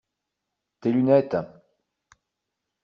Tes lunettes.